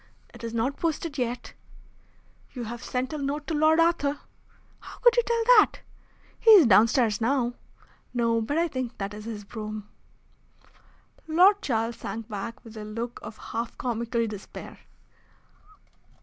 "It is not posted yet." "You have sent a note to Lord Arthur." "How could you tell that?" "He is downstairs now." "No; but I think that is his brougham." Lord Charles sank back with a look of half comical despair.